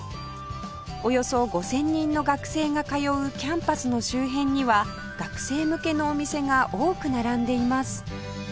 およそ５０００人の学生が通うキャンパスの周辺には学生向けのお店が多く並んでいます